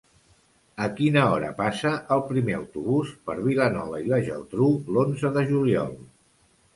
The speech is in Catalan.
A quina hora passa el primer autobús per Vilanova i la Geltrú l'onze de juliol?